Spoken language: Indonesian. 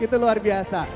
itu luar biasa